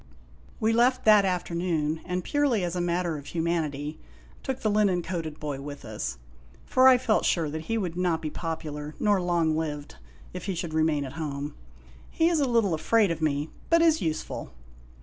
We left that afternoon, and purely as a matter of humanity took the linen coated boy with us ; for I felt sure that he would not be popular nor loner lived if he should remain at home. He is a little afraid of me, but is useful.